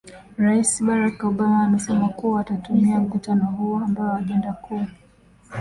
ais barack obama amesema kuwa atatumia mkutano huo ambao ajenda kuu